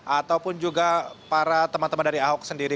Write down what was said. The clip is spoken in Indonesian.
ataupun juga para teman teman dari ahok sendiri